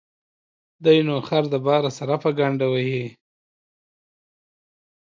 دى نو خر د باره سره په گڼده وهي.